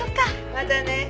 またね。